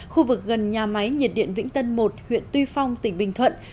khu vực gần nhà máy nhiệt điện vĩnh tân một huyện tuy phong tỉnh bình thuận